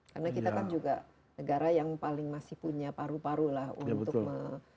karena kita kan juga negara yang paling masih punya paru paru lah untuk mengurangi